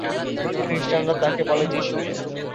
খ্রিস্টানরা তাকে বলে যিশু।